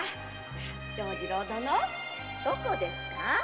〔要次郎殿どこですか？〕